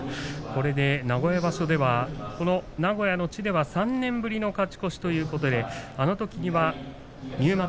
これで名古屋場所では名古屋の地では３年ぶりの勝ち越しということであのときには入幕